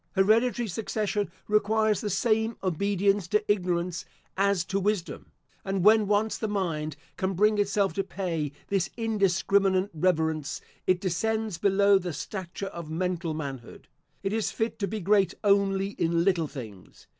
Hereditary succession requires the same obedience to ignorance, as to wisdom; and when once the mind can bring itself to pay this indiscriminate reverence, it descends below the stature of mental manhood. It is fit to be great only in little things.